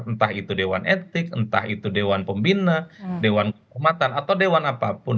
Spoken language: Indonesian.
entah itu dewan etik entah itu dewan pembina dewan kehormatan atau dewan apapun